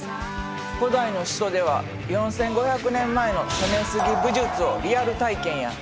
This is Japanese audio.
古代の首都では４，５００年前の攻めすぎ武術をリアル体験や！